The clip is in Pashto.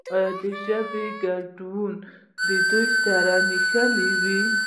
آیا د ژبې ګډون دوی سره نه نښلوي؟